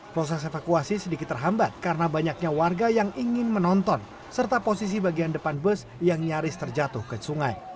proses evakuasi sedikit terhambat karena banyaknya warga yang ingin menonton serta posisi bagian depan bus yang nyaris terjatuh ke sungai